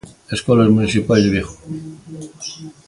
Escolas municipais de Vigo.